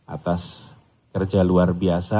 atas kerja luar biasa